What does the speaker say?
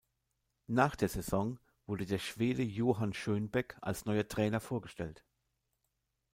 Nach der Saison wurde der Schwede Johan Schönbeck als neuer Trainer vorgestellt.